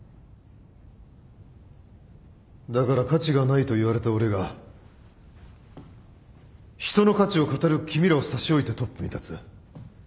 だから価値がないと言われた俺が人の価値を語る君らを差し置いてトップに立つ。